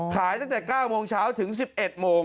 ตั้งแต่๙โมงเช้าถึง๑๑โมง